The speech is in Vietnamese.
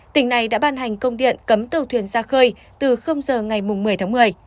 tỉnh này đã ban hành công điện cấm tàu thuyền ra khơi từ giờ ngày một mươi tháng một mươi